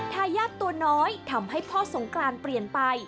ทายาทตัวน้อยทำให้พ่อสงกรานเปลี่ยนไป